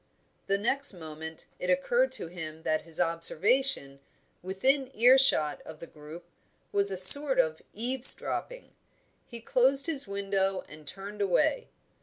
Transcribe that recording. The next moment it occurred to him that his observation, within earshot of the group, was a sort of eavesdropping; he closed his window and turned away.